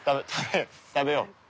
食べよう。